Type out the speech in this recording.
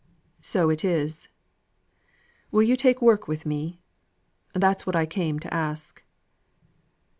"So it is. Will you take work with me? That's what I came to ask."